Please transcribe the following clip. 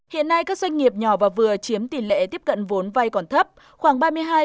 hiện nay các doanh nghiệp nhỏ và vừa chiếm tỷ lệ tiếp cận vốn vai còn thấp khoảng ba mươi hai ba mươi tám